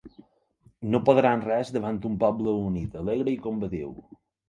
No podran res davant un poble unit, alegre i combatiu.